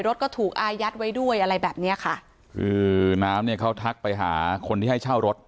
รถก็ถูกอายัดไว้ด้วยอะไรแบบเนี้ยค่ะคือน้ำเนี้ยเขาทักไปหาคนที่ให้เช่ารถ